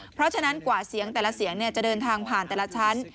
เพราะฉะนั้นกว่าเสียงแต่ละเสียงจะเดินทางผ่านแต่ละชั้น